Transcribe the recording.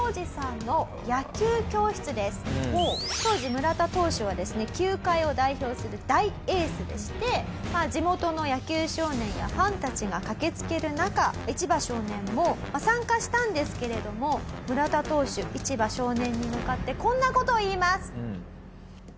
当時村田投手はですね球界を代表する大エースでして地元の野球少年やファンたちが駆けつける中イチバ少年も参加したんですけれども村田投手イチバ少年に向かってこんな事を言います。